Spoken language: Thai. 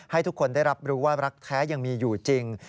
ให้ทุกคนได้รับรู้ว่ารักแท้ยังมีอยู่จริง